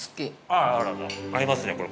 ◆あらら、合いますね、これ。